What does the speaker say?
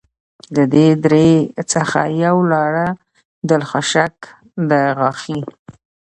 د دې درې څخه یوه لاره دلخشک دغاښي